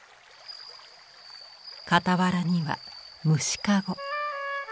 傍らには虫かご。